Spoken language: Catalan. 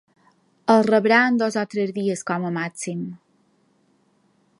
El rebrà en dos o tres dies com a màxim.